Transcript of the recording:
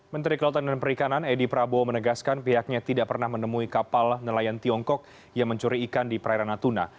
menteri kelautan dan perikanan edi prabowo menegaskan pihaknya tidak pernah menemui kapal nelayan tiongkok yang mencuri ikan di perairan natuna